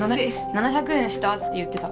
７００円したって言ってた。